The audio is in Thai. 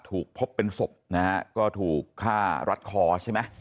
ถูกพบเป็นศพนะฮะก็ถูกฆ่ารัดคอใช่ไหม